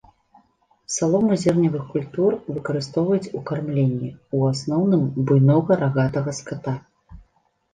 Салому зерневых культур выкарыстоўваюць у кармленні, у асноўным буйнога рагатага ската.